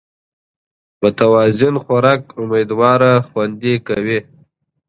متوازن خوراک امېدواري خوندي کوي